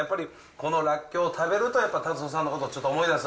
このらっきょうを食べるとやっぱ辰夫さんのことを思い出す？